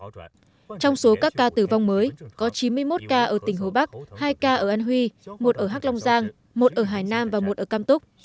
trong số các ca tử vong mới có chín mươi một ca ở tỉnh hồ bắc hai ca ở an huy một ở hc long giang một ở hải nam và một ở cam túc